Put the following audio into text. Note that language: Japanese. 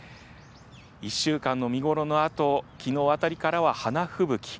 １週間の見頃のあと、きのうあたりからは花吹雪。